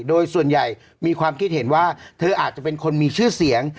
โดยส่วนใหญ่มีความคิดเห็นว่าเธออาจจะเป็นคนมีชื่อเสียง